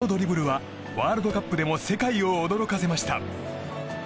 そのドリブルはワールドカップでも世界を驚かせました。